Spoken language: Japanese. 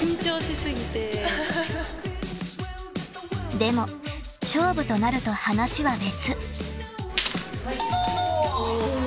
［でも勝負となると話は別］